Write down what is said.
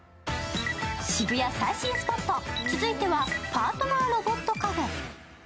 渋谷最新スポット、続いてはパートナーロボットカフェ。